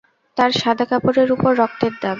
তাঁর সাদা কাপড়ের উপর রক্তের দাগ।